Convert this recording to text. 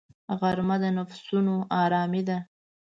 غرمه د نفسونو آرامي ده